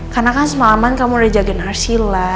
karena kan semalaman kamu udah jagain arsila